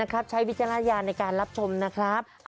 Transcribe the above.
ข้าวแมว